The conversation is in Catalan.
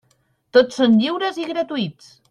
Tots són lliures i gratuïts.